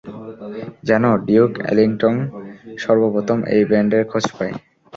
জানো, Duke Ellington সর্বপ্রথম এই ব্যান্ডের খোঁজ পায়।